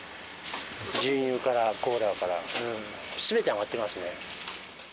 牛乳から、コーラから、すべて上がってますね。